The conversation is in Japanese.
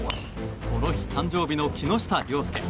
この日、誕生日の木下稜介。